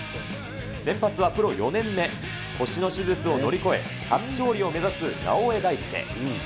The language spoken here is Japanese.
先発はプロ４年目、腰の手術を乗り越え、初勝利を目指す直江大輔。